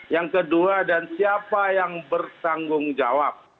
yang kedua dan siapa yang bertanggung jawab